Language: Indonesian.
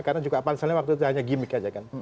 karena juga panselnya waktu itu hanya gimmick aja kan